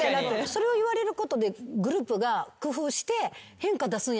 それを言われることでグループが。